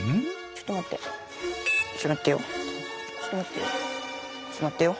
ちょっと待ってよ。